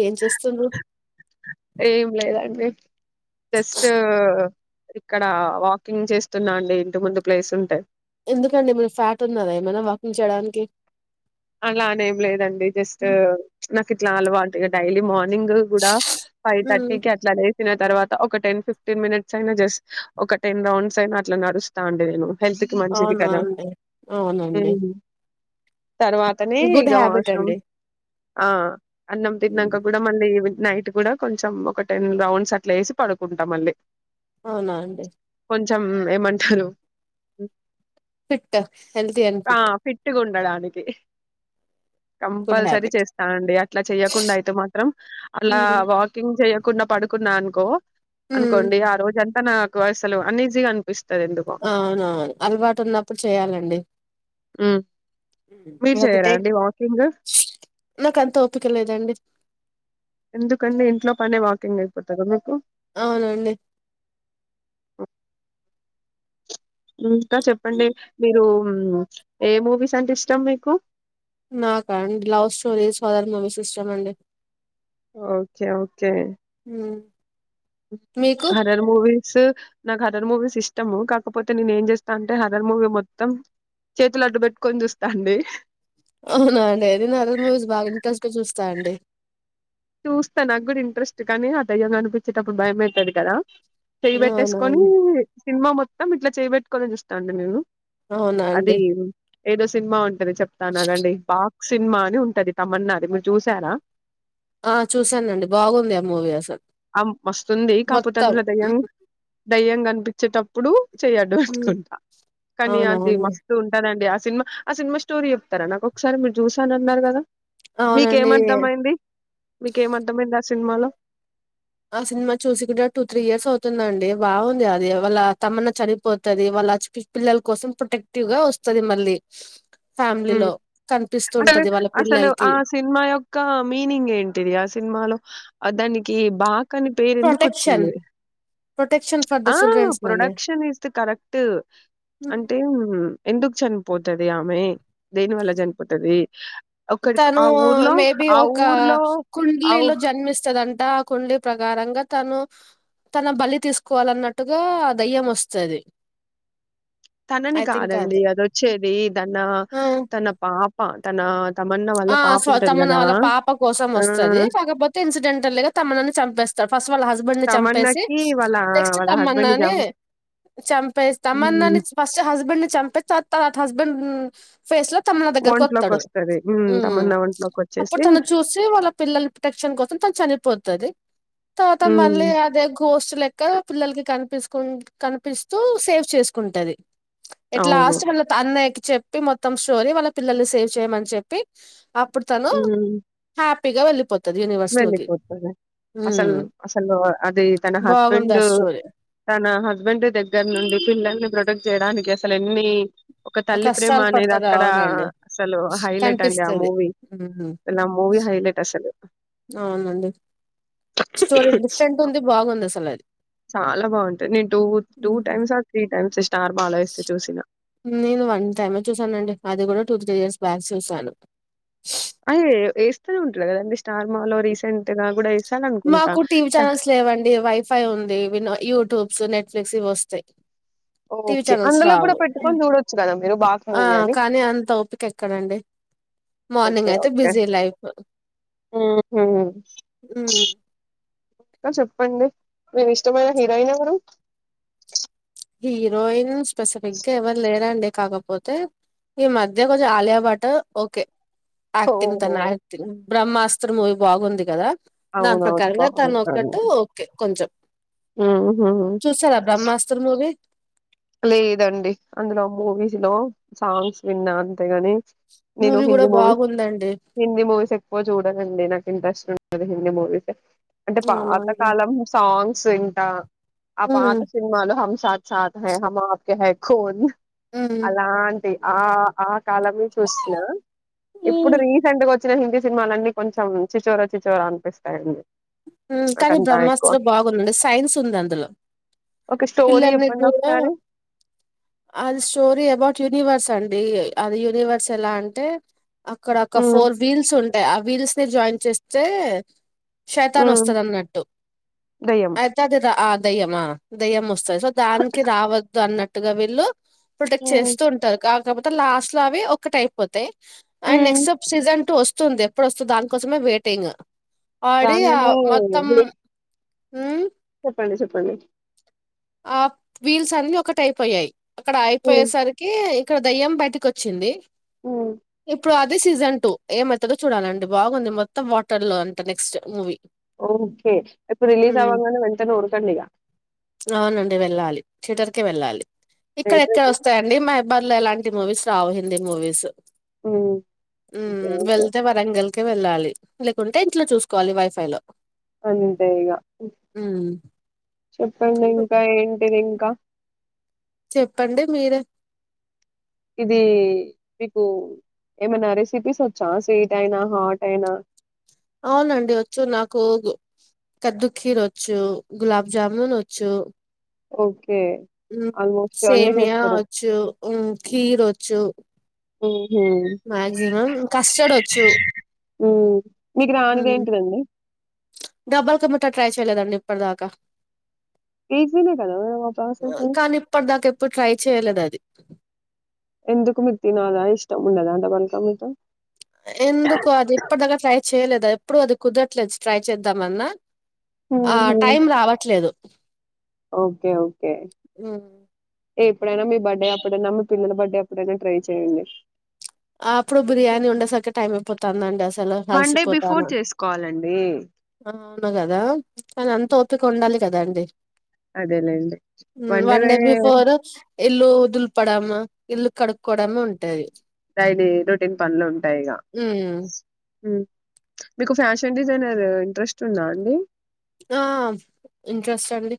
ఏం చేస్తుండ్రూ ఏం లేదండి జస్ట్ ఇక్కడ వాకింగ్ చేస్తున్నా అండి ఇంటి ముందు ప్లేస్ ఉంటే ఎందుకండి మీరు ఫ్యాట్ ఉన్నరా ఏమైనా వాకింగ్ చేయడానికి అలానేం లేదండి జస్ట్ ఇట్లా అలవాటు డైలీ మా ఇందు కూడా ఫైవ్ హ్మ్. థర్టీ కి అట్లానే తిన్న తర్వాత ఒక టెన్ ఫిఫ్టీన్ మినిట్స్ అయినా జస్ట్ ఒక టెన్ రౌండ్స్ అయినా అట్లా నడుస్తా అండి నేను హెల్త్కి మంచిది అవునా కదా అండి అవునండి తర్వాతనే గుడ్ ఇగ హ్యాబిట్ అవసరం అండి ఆ అన్నం హ్మ్. తిన్నంక కూడా మళ్ళీ నైట్ కూడా కొంచెం ఒక టెన్ రౌండ్స్ అట్లా వేసి పడుకుంటా మళ్ళీ అవునా అండి కొంచెం ఏమంటారు ఫిట్ హెల్త్ కి బెనిఫిట్ అలాని [inaudible] గుడ్ కంపల్సరీ హ్యాబిట్ చేస్తానండి అట్లా చెయ్యకుండా అయితే మాత్రం అట్లా మ్మ్ వాకింగ్ చేయ కున్న పడుకున్నా అనుకో అనుకోండి ఆ రోజు అం నాకు అసలు అన్నిజీగా అవునవును అలవాటు ఉన్నప్పుడు చేయాలండి మ్మ్ మీరు చేయరా అండి వాకింగ్ నాకు అంత ఒపికలేదండి ఎందుకంటె ఇంట్లో పనే వాకింగ్ అయిపోతారా మీకు అవునండి హ్మ్. ఇంకా చెప్పండి మీరు ఏ మూవీస్ అంటే ఇష్టం మీకు నాకాండి లవ్ స్టోరీస్ హారర్ మూవీస్ ఇష్టం అండి ఓకే ఓకే హ్మ్. మీకు హరర్ మూవీ సో నాకు హారర్ మూవీస్ ఇష్టము కాకపోతే నేను ఏం చేస్తా అంటే హారర్ మూవీ మొత్తం చేతులు అడ్డు పెట్టుకొని చూస్తా అండి అవునా అండి నేను హారర్ మూవీస్ బాగా ఇంట్రెస్ట్ గా చూస్తా అండి చూస్తా నాకు కూడా ఇంట్రెస్ట్ కానీ ఆ దయ్యంగా అనిపించేటప్పుడు భయం అయితాది కదా చేయి అవునా పెట్టేసుకొని అండి సినిమా మొత్తం ఇట్లా చెయ్ పెట్టుకోనే చూస్తా అండి ళేను అవునా అండి ఏదో సినిమా ఉన్ తది చెప్తానాగండి పా సినిమా అని ఉంటది తమన్నా ది మీరు చూసారా ఆ చూసానండి బాగుంది ఆ మూవీ అసలు ఆ మొత్తం ఉమ్మ్ దయ్యంగ కనిపిచ్చేటప్పుడు చెయ్యడ్డు హ్మ్. పెట్టుకుంటా కానీ అవునా అది అండి మస్తు ఉంటదండి సినిమా ఆ సినిమా స్టోరీ చెప్తారా నాకు ఒకసారి మీరు చూసానన్నారు కదా అవునండి మీకేం అర్థమైంది ఆ సినిమాలో ఆ సినిమా చూసి కూడ టూ త్రీ ఇయర్స్ అవుతుందండి బాగుంది అది వాళ్ళ తమన్నా చనిపోతది వాళ్ళ [unintelligible] పి పిల్లల కోసం ప్రొటెక్టివ్ గా వస్తుది మళ్ళీ ఫ్యామిలీలో ఉమ్మ్ అసలు కనిపిస్తుంటది వాళ్ళ అసలు పిల్లలకి ఆ సినిమా యొక్క మీనింగ్ ఏంటిది ఆ సినిమాలో అ దానికి బా కానీ పేరెందుకు ప్రొటెక్షన్ వచ్చింది protection for the uh children's అండి production is the correct hmm. అంటే ఎందుకు చనిపోతది ఆమె దేని వల్ల చనిపోతది ఒక్కడికి తను ఆ ఊర్లో మేబీ ఆ ఒక ఊర్లో అవు కుండ్లీలో జన్మిస్తదంట ఆ కుండ్లీ ప్ర కారంగా తను తన బలి తీసుకోవాలన్నట్టుగా దయ్యం వస్తది తనని ఐ థింక్ అది కాదండి అదొచ్చేది ధన హ్మ్. తన పాప్ ప తన తమన్నా వాళ్ళ ఆ పాప స్వ ఉంటది తమన్నా కదా! వాళ్ళ పాప కోసం ఆ! వస్తుది కాకపోతే ఇన్సిడెంటల్ గా తమన్నాని చంపేస్ త ఫస్ వాళ్ళ హస్బెండ్ ని చంపేసి తమన్నాకి వాళ్ళ నెక్స్ట్ వాళ్ళ హస్బెండ్ తమన్నాని జం చంపేసి తమ్మన్నా హ్మ్. ని ఫస్ట్ హస్బెండ్ ని చం పచ్ త త త హస్బెండ్ ఫేస్ లో తమన్న దగ్గరకు వత్తడు ఒంట్లోకొస్తది. హ్మ్. ఉమ్ తమన్నా అప్పుడు ఒంట్లోకొచ్చేసి తను చూసి వాళ్ళ పిల్లల ప్రొటెక్షన్ కోసం తను చనిపోతది తర్వాత హ్మ్. మళ్ళీ అదే గోస్ట్ లెక్క పిల్లలకి కనిపిస్కున్ కనిపిస్తూ సేవ్ చేసుకుంటది ఎట్లా అవును. అష్టమన్ లొ తన్నేకి చెప్తే మొత్తం స్టోరి వాళ్ళ పిల్లలు సేవ్ చేయమని చెప్ ప్పి అప్పుడు తను హ్మ్. హ్యాప్ పీగా వెళ్ళిపో వెళ్ళిపోతది అసలు అసలు అది తన బాగుంది ఆ హస్బెండ్ స్టోరీ తన హస్బెండ్ దగ్గర నుండి పిల్లల్ని బ్రో దన్ చేయడానికి అసలు ఎన్ని ఒక తల్లి ప్రేమ కష్టాలు అనేది పడతది అక్కడ అవునండి అసలు హైలెట్ అండి ఆ కనిపిస్తది మూవీ హ్మ్ అసలు ఆ మూవీ హైలెట్ అసలు అవునండి స్టోరి డిఫరెంట్ ఉంది బాగుంది అస్ తెలది చాలా బాగుంటది నేను two two times or three times ఇష్ నేను వన్ టైమే చూసానండి అది కూడా టూ త్రీ ఇయర్స్ బ్యాక్ చూసాను అయయో వేస్తూనే ఉంటడు కదండి స్టార్ మాలో రీసెంట్ గా కూడా ఎస్ మాకు టీవీ ఛానల్స్ లేవండి వైఫై ఉంది వినో యూట్యూబ్ సో నెట్ఫ్లిక్స్ ఇవి వస్తయ్ ఓకే అందులో కూడా పెట్టుకొని చూడొచ్చు కదా మీరు బాక్ ఆ మూవీ అని కానీ అంత ఓపిక ఎక్కడండి ఓకే మార్నింగ్ అయితే ఓకే బిజీ లైఫ్ ఊహు హ్మ్ ఇంకా చెప్పండి మీ ఇష్టమైన హీరోయిన్ ఎవరు హీరోయిన్స్ స్పెసిఫిక్ గా ఎవరు లేరండి కాకపోతే ఈ మధ్య కొంచెం ఆలయబటు ఓకే ఆక్టింగ్ ఓహో! తన ఆక్టింగ్ బ్రహ్మాస్త్ర మూవి బాగుంది కదా దాని అవునవును. ప్రకారంగా తను బావుంటారు. ఒక్కట్టు ఓకే కొంచెం హుహు. చూసార బ్రహ్మాస్త్ర మూవీ లేదండి అందులో మూవీస్ లో సాంగ్స్ విన్నాను అంతేగాని నేను కూడా హిందీ మూవీ బాగుందండి హిందీ మూవీస్ ఎక్కువ చూడనండి నాకు ఇంట్రెస్ట్ ఉ అది హిందీ మూవిసె అంటే అవునా అండి పాతకాలం సాంగ్ సొ ఇంటా ఆ పాత ఉమ్ సినిమాలో హం సాత్ సాత్ హె హం ఆప్ కె హె కొన్ ఉమ్ అలాన్ తె ఆ ఆ ఇప్పుడు ఉమ్ రీసెంట్ వొచ్ ఇచ్చిన హిందీ సినిమాలన్నీ కొంచెం చిచోరా చిచోరా అనిపిస్తాయండి ఊ కానీ నాకంతా ఎక్కువ బ్రహ్మాస్త్రం బాగుందండి సైన్స్ ఉంది అందులో ఒక స్టోరీ పిల్లల్ని చెప్పండి ఇపుడు నేను, ఒకసారి అది స్టోరి అబౌట్ యూనివర్స్ తండి అది యూనివర్సల్లా అంటే అక్కడ ఒక ఉమ్ ఫోర్ వీల్స్ ఉంటాయ్, అ వీల్స్ ని జాయిన్ చేస్తే ఉమ్ త్తనొస్తది అన్నట్టు దయ్యం అయితే అది రా ఆ దెయ్యమా దెయ్యం వస్సది సో దాన్కి రావద్దు అన్నట్టుగా వీళ్ళు ప్పుల్టేక్ ఉమ్ చేస్తూ ఉంటారు కా కాపోతే లాస్ట్ లో అవి ఒకటైపోతాయ్. అన్ ఉమ్ నెక్సబ్ సీజన్ టూ వస్ స్సుంది ఎప్పుడొస్తు దాని కోసమే వెయిటింగ్, అ రాంగనే ఉ ప్పండి చెప్పండి. ఆ వీల్స్ సన్నీ ఒకటెయ్ పొయ్యాయి. అక్కడ ఉమ్ అయిపోయేసరికి క్కడ దయ్యం బయటికొచ్చింది. ఉమ్ ఎప్పు రా ది సీజన్ టూ ఏమైతదో చూడాలండి బాగుంది మొత్తం వాటర్ లో అంట నెక్స్ట్ మూవీ ఓకే ఎప్పు రిలీజ్ ఉమ్ అవ్వంగానే వెంటనే ఉరకండి ఇగ నుండి వెళ్ళాలి థిటర్ కే వెళ్ళాలి. ఇక్కరెక్కర థియేటర్కి వస్తాయండి మాబ్ బర్లే ఎలాంటి మూవీస్ రావు హిందీ మూవీసు ఉమ్ ఉ ఓకే ఓకే వెళ్తే వరంగల్ కే వెళ్ళాలి లేకుంటే ఇంట్లో చూస్కోవాలి వైఫై లో అంతే ఇగ ఉమ్ చెప్పండిం కా ఏంటిది ఇంకా చెప్పండి మీరే ఇది మీకు ఏమైనా రెసిపీస్ వచ్చా స్వీటైన, హాటైనా అవునండి వచ్చు నాకూగ్, కద్దు కీరొచ్చు, గులాబ్ జ్జామున్ వచ్చు. ఓకే ఆల్మోస్ట్ అన్ని సేమ్యా చేస్తారు ఒచ్చు, హు కీరొచ్చు. ఉ హు, కస్టర్డ్ వచ్చు హు మీకు రానిది ఉమ్ ఏంటిదండి. ట్ట ట్రై చేయలేదండి ఇప్పటిదాకా ఈజీనే కద వ ప్రాసెసు చ్చేలేద్ దది ఎందుకు మిక్ తెనాల ఇష్టముండదా అంట పలకమట ఎందుకు అది ఇప్పదగ ట్రై చేయలేదా ప్పుడు అది కుదట్లేదు ట్రై చేద్దామన్నా ఆ ఉహు టైమ్ రావట్లేదు ఏ ఎప్పుడైన మీ బర్డె అప్పుడైనా మీ పిల్లల బర్త్డే అప్పుడైనా ట్రై చేయండి ఆ అప్పుడు బిర్యానీ ఉండేసరికి టైం అయిపోతాంది అసలు వన్ డే బిఫోర్ అలసిపోతాను చేసుకోవాలండి అవునుగదా కానీ అంత ఓపిక ఉండాలి కదా అండి అదేలేండి వన్ డే బిఫోరు ఇల్లు దుల్పడమ్ ఇల్లు కడుక్కోవడమ్ ఉంటది డైలీ రొటీన్ పన్లు ఉంటాయి ఇక హ్మ్. ఉమ మీకు ఫ్యాషన్ డిజైనర్ ఇంట్రెస్ట్ ఉందా అండి ఆ ఇంట్రెస్ట్ అండి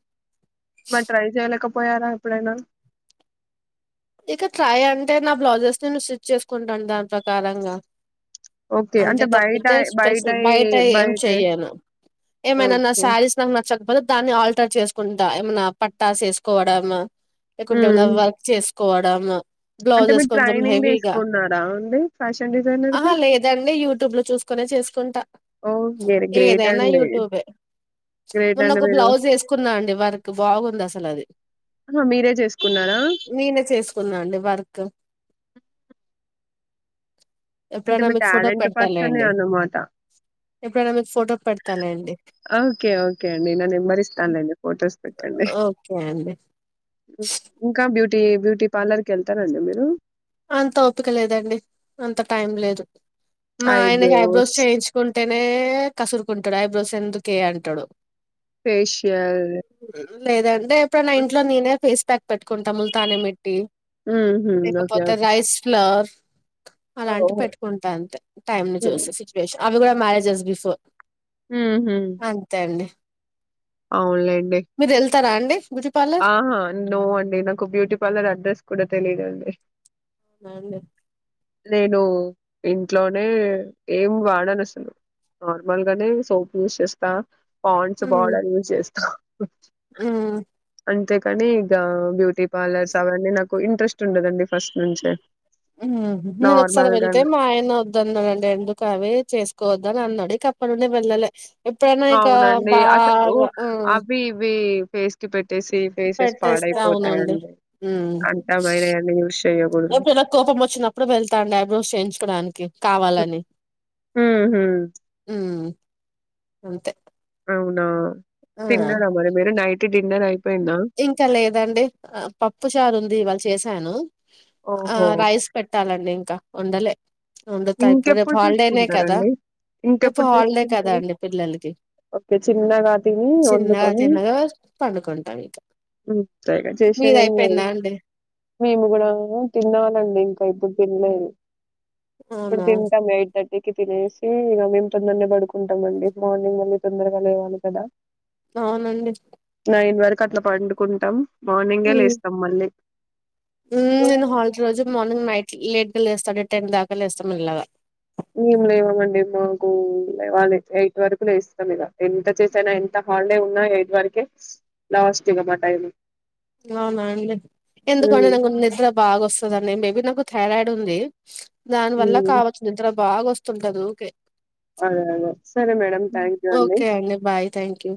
పోయార ఎప్పుడైన ఇక ట్రై అంటే నా బ్లౌజెస్ నేన్ స్టిచ్చేసుకుంటాను దాని ప్రకారంగా ఓకే అంతే అంటే బయట తప్పితే స్పెషల్ బయట ఏం బయట చెయను ఏమైన నా ఓకే శారీస్ నాకు నాచ్చకపోతే దాన్ని ఆల్టర్ చేసుకుంటా ఏమైనా పట్టాస్ వేసుకోవడం లేకుంటే ఏమన్న హ్మ్. వర్క్ చేస్త కోవడంలో అంటే బ్లౌజెస్ మీరు కొంచెం ట్రైనింగ్ హెవీగ తీసుకున్నారా అండి ఫ్యాషన్ డిజైనర్ది ఆహ లేదండి యూట్యూబ్ లో చూసుకునే చేసు సుంత ఓ వెరీ గ్రేట్ ఏదైన అండి. యూట్యూబే గ్రేట్ మున్న అండి ఒక మీరు. బ్లౌజ్ వేసుకున్నా అండి వర్క్ బాగుంది అసలు అది ఆహా! మీరే చేసుకున్నారా? నేను తీస్కున్నాడి వర్క్ అంటే ఎప్పుడైనా మీ మీకు ఫోటో టాలెంట్ పర్సన్ గది పెడతాలేండి అన్నమాట ఎప్పుడైనా మీకు ఫోటో పెడతాలేండి ఓకే ఓకే అండి నా నెంబర్ ఇస్తానులేండి ఫొటోస్ పెట్టండి ఓకే అండి ఇంకా బ్యూ టీ బ్యూటీ పార్లర్ కెళ్తారంండి మీరు అంత ఓపిక లేదండి అంత టైం లేదు మా ఆయనకి ఐబ్రోస్ చేయించుకుంటేనే కసురు కుంటడు ఐబ్రోస్ ఎందుకే అంటడు ఫేషియల్ లేదన్ నె ఎప్పుడన ఇంట్లో నీనేే ఫేస్ ప్యాక్ పట్టు కుంటం తాలం ఊహు ఒ ఒక నైస్ ఫ్లో చార్ అలాంటి ఓహో! పెట్టుకుంటా అంతే టైమ్ ని హ్మ్. చూసి సిచ్యువేషన్ అవి కూడా మ్యారేజ్స్ బి ఫోర్ హుహు. అంతే అండి అవునులేండి ఇస్తారా అండి బ్యూటీ పార్లర్ ఆహా నో అండి నాకు బ్యూటీ పార్లర్ అడ్రెస్ కూడా తెలిదు అండి నండి నేను ఇంట్లోనే ఏం వాడాను అసలు నార్మల్ గానే సోప్ యూజ్ చేస్తా పాంట్స్ పౌడర్ యూజ్ చేస్తా ఆమ్ అంతే కాని గ్యా బ్యూటీ పార్లర్స్ అవి అని నాకు కు ఇంట్రస్ట్ ఉండదండి ఫస్ట్ నుంచే నేను ఒకసారి నార్మల్ వెళ్తే గానే మా ఆయన వద్దన్నారండి అందుకే అవి చేసుకోవద్దు అని అన్నాడు ఇక అప్పుడు నుండి నేను వెళ్ళలే ఎప్పుడైనా ఇక అవునండి అసలు బాగా అవి ఇవి ఫేస్ కి పెట్ పెట్టేస్తే అవునండి ఉమ్ అంతమైనయన్ని యూస్ చేయకూడదు ఎప్పుడైనా కోపం వచ్చినప్పుడు వెళ్తాను ఐబ్రోస్ చేయించుకోడానికి కావాలని మ్మ్ హ్మ్ ఉమ్ అంతే అవునా ఆ తిన్నరా మరి మీరు నైట్ తే డిన్నర్ అయి ఇంకా లేదండి పప్పు చారు ఉంది ఇవాళ చేసి శాను ఆ ఓహో రైస్ పెట్టాలండి ఇంకా వండాలే వండుతా ఇప్పుడు రేపు ఇంకెప్పుడు హాలిడేనే కదా చూసుకుంటారండి రేపు ఇంకెప్పుడు హాలిడే కదా చేసుకుంటారు అండి పిల్లలకి ఓకే చిన్నగా తిని చిన్నగా వండుకొని తిన్నగా పండుకుంటాం ఇక ఉమ్ స్కై చేసేదేం కాదు మేము కూడా తినాలండి ఇంకా అప్పుడే తెరిలేదు ఇప్పుడు అవునా తింటామ్ ఎయిట్ తట్టి ఇకి తినేసి ఇక మేము తొందరనే పడుకుంటాంమండి మార్నింగ్ మళ్ళీ తొందరగా లేవాలి కదా అవునండి నయిన్ వరకు అట్లా పండుకుంటాం మార్నింగే ఉమ్ లేస్తాం మళ్ళీ ఉమ్ నేను హాల్ ట్ రోజు మార్నింగ్ నైట్ లేట్ లేస్తాడు టెన్ దాకలుేస్తాం మిల్లాగా మేము లేవమండి మాకు వాళ్ ఎయిట్ వరకు లే స్తాం ఇలా ఎంత చేసానా ఎంత హాలిడే ఉన్నా ఎయిట్ వరకే లాస్ట్ ఇగ మా టైమిన్ అవునా అండి ఎందుకంటెనాకు నిద్ర బాగా వస్తదండి మేబీ నాకు థైరాయిడ్ ఉంది దాని వల్ల ఉమ్. కావచ్చు నిద్రా బాగా వస్తుంటదిఊకే అదే అదే సరే మేడం హ్మ్. థ్యాంక్ యూ అన్డి ఓకే అండి బాయ్ థ్యాంక్ యూ